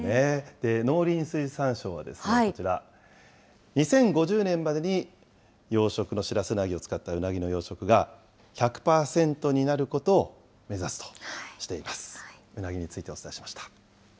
農林水産省はこちら、２０５０年までに養殖のシラスウナギをつかったうなぎの養殖が、１００％になることを目指すとしています。